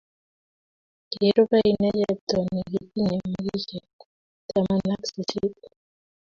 Kirube inne chepto ne kitinye makishe taman ak sisit